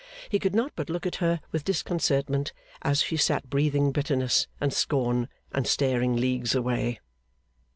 He could not but look at her with disconcertment, as she sat breathing bitterness and scorn, and staring leagues away.